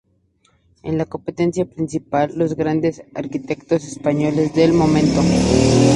En la competencia participaron los grandes arquitectos españoles del momento.